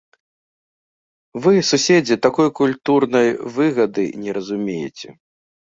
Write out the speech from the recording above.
Вы, суседзі, такой культурнай выгады не разумееце.